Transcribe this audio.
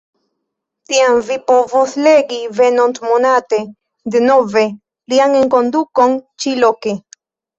Tiam vi povos legi venontmonate denove lian enkondukon ĉi-loke!